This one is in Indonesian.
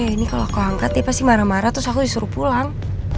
gimana ini kalo aku angkat pasti marah marah terus aku disuruh pulang